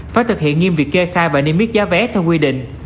phải thực hiện nghiêm việc kê khai và niêm yết giá vé theo quy định